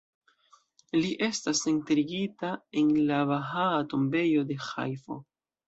Li estas enterigita en la Bahaa Tombejo de Ĥajfo.